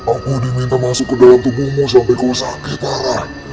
aku diminta masuk ke dalam tubuhmu sampai kau sakit parah